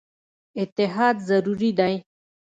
اتحاد ضروري دی.